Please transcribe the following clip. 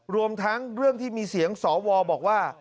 รวมทั้งเรื่องที่มีเสียงสวบอกว่า